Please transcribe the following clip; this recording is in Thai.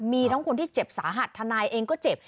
มีทั้งคนที่เจ็บสาหัสทนายเองก็เจ็บ